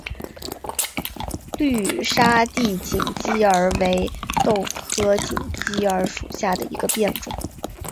绿沙地锦鸡儿为豆科锦鸡儿属下的一个变种。